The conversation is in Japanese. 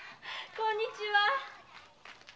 こんにちは。